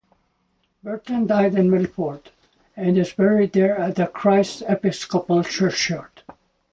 Burton died in Milford and is buried there at the Christ Episcopal Churchyard.